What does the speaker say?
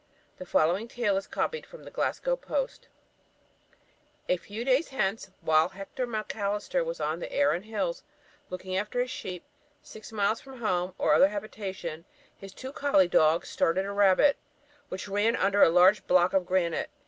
The following tale is copied from the "Glasgow Post:" "A few days since, while Hector Macalister was on the Aran Hills looking after his sheep, six miles from home or other habitation, his two colley dogs started a rabbit, which ran under a large block of granite.